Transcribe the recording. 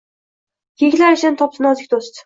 Kiyiklar ichidan topdi nozik do’st.